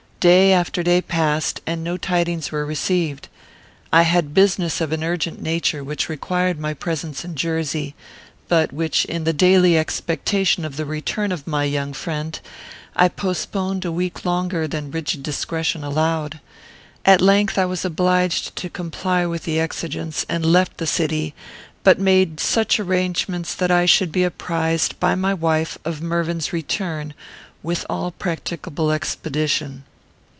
Day after day passed, and no tidings were received. I had business of an urgent nature which required my presence in Jersey, but which, in the daily expectation of the return of my young friend, I postponed a week longer than rigid discretion allowed. At length I was obliged to comply with the exigence, and left the city, but made such arrangements that I should be apprized by my wife of Mervyn's return with all practicable expedition.